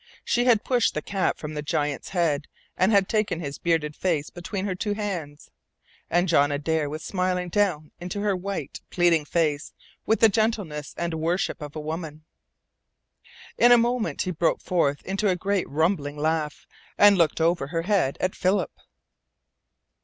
She had pushed the cap from the giant's head and had taken his bearded face between her two hands, and John Adare was smiling down into her white, pleading face with the gentleness and worship of a woman. In a moment he broke forth into a great rumbling laugh, and looked over her head at Philip.